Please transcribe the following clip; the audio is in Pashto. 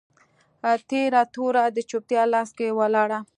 تیره توره د چوپتیا لاس کي ولاړه